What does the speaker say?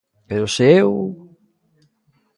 _Pero se eu...